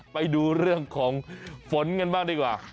ไปดูเรื่องของฝนกันบ้างดีกว่า